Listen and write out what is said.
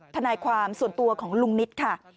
ทนายความส่วนตัวของลุงนิตค่ะ